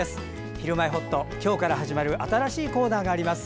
「ひるまえほっと」今日から始まる新しいコーナーがあります。